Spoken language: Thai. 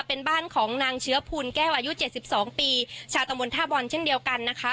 เป็นบ้านของนางเชื้อภูลแก้วอายุเจ็ดสิบสองปีชาวตำบลท่าบอลเช่นเดียวกันนะคะ